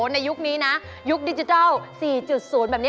ในยุคนี้นะยุคดิจิทัล๔๐แบบนี้